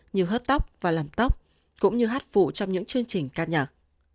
như hớt tóc và làm tóc cũng như hát phụ trong những chương trình ca nhạc